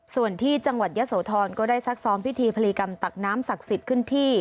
ส่วนที่จังหวัดยะโสธรก็ได้ซักซ้อมพิธีพลีกรรมตักน้ำศักดิ์สิทธิ์ขึ้นที่